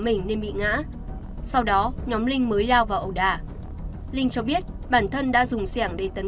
mình nên bị ngã sau đó nhóm linh mới lao vào ẩu đả linh cho biết bản thân đã dùng xe hàng để tấn